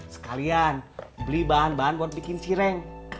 sekalian beli bahan bahan buat bikin cireng